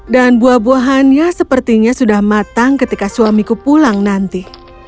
dan buah buahannya sepertinya sudah matang ketika suamiku pulang nanti